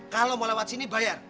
kalau mau lewat sini bayar